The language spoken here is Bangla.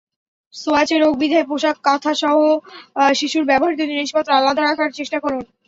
ছোঁয়াচে রোগ বিধায় পোশাক, কাঁথাসহ শিশুর ব্যবহৃত জিনিসপত্র আলাদা রাখার চেষ্টা করুন।